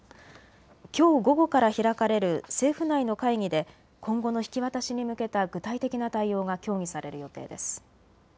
きょう午後から開かれる政府内の会議で今後の引き渡しに向けた具体的な対応が協議される予定です。